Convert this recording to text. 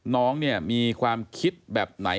น้องเนี่ยมีความคิดแบบไหน